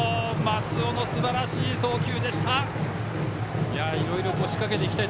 松尾のすばらしい送球でした。